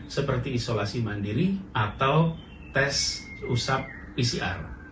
seperti isolasi mandiri atau tes usap pcr